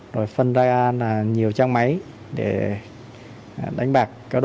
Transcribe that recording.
rồi phân ra nhiều trang máy để đánh bạc